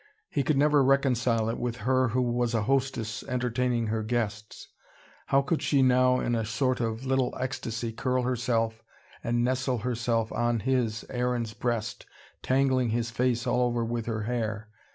He could never reconcile it with her who was a hostess entertaining her guests. How could she now in a sort of little ecstasy curl herself and nestle herself on his, Aaron's breast, tangling his face all over with her hair.